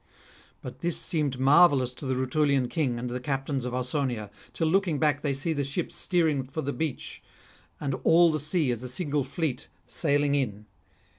But this seemed marvellous to the Rutulian king and the captains of Ausonia, till looking back they see the ships steering for the beach, and all the sea as a single fleet sailing in.